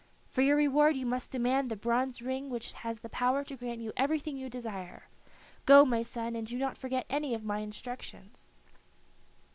For your reward you must demand the bronze ring which has the power to grant you everything you desire. Go, my son, and do not forget any of my instructions."